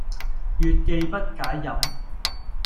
月既不解飲，